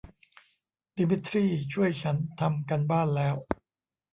เดมิทรี่ช่วยฉันทำการบ้านแล้ว